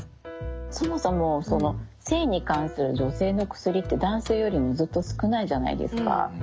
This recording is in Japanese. そもそもその性に関する女性の薬って男性よりもずっと少ないじゃないですか。